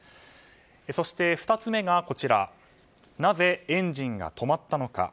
そして２つ目がなぜエンジンが止まったのか。